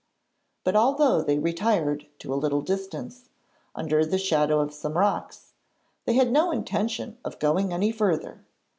But although they retired to a little distance, under the shadow of some rocks, they had no intention of going any further.